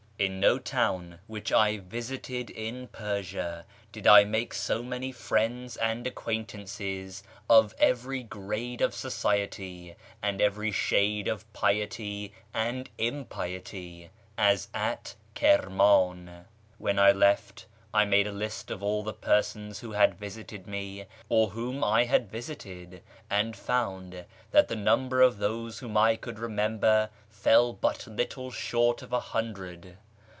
In no town which I visited in Persia did I make so many friends and acquaintances of every grade of society, and every shade of piety and impiety, as at Kirman. When I left I made a list of all the persons who had visited me, or whom I had visited, and found tliat the number of those whom I could remember fell but little short of a hundred.